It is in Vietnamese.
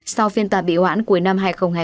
sau phiên tòa bị oãn cuối năm hai nghìn hai mươi một